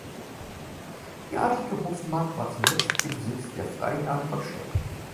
Die adelige Hofmark war zuletzt im Besitz der Freiherrn von Stetten.